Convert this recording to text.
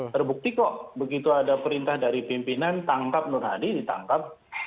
terbukti kok begitu ada perintah dari pimpinan tangkap nur hadi ditangkap